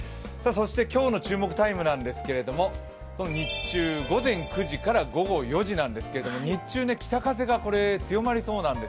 今日の注目タイムなんですがこの日中、午前９時から午後４時なんですけど、日中、北風が強まりそうなんです。